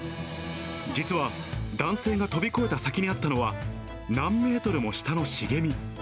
実は、男性が飛び越えた先にあったのは、何メートルも下の茂み。